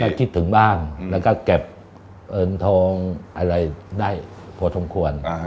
ก็คิดถึงบ้างแล้วก็เก็บเงินทองอะไรได้พอสมควร